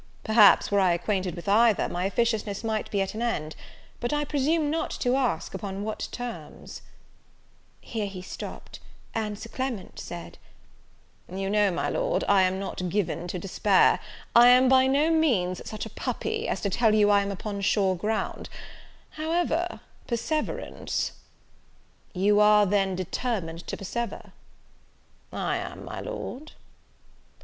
Perhaps, were I acquainted with either, my officiousness might be at an end: but I presume not to ask upon what terms " Here he stopped; and Sir Clement said, "You know, my Lord, I am not given to despair; I am by no means such a puppy as to tell you I am upon sure ground; however, perseverance " "You are, then, determined to perservere?" "I am, my Lord."